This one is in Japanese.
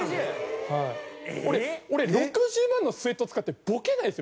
俺６０万のスウェット使ってボケないですよ